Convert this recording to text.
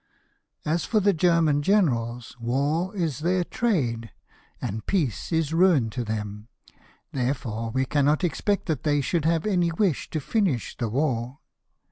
As for the German generals, Avar is their trade, and peace is ruin to them ; therefore we cannot expect that they should have any wish to finish the 88 LIFE OF NELSON. war.